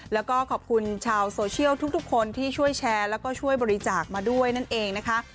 แล้วก็ขอบคุณชาวโซเชียลทุกคนที่ช่วยแชร์แล้วก็ช่วยบริจาคมาด้วยนั่นเองนะคะ